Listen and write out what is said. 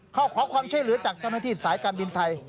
เขาขอความช่วยเหลือจากเจ้าหน้าที่สายการบินไทย